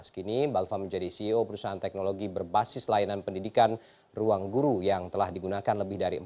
kini balfa menjadi ceo perusahaan teknologi berbasis layanan pendidikan ruangguru yang telah digunakan lebih dari sepuluh tahun